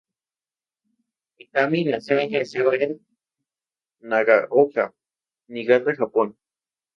Mikami nació y creció en Nagaoka, Niigata, Japón.